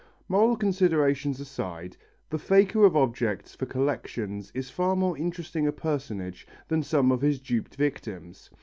Moral considerations apart, the faker of objects for collections is far more interesting a personage than some of his duped victims.